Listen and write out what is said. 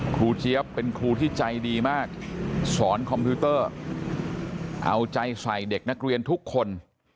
เจี๊ยบเป็นครูที่ใจดีมากสอนคอมพิวเตอร์เอาใจใส่เด็กนักเรียนทุกคน